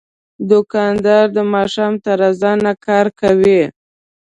دوکاندار د ماښام تر اذانه کار کوي.